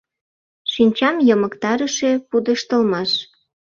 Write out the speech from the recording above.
Шинчам йымыктарыше пудештылмаш...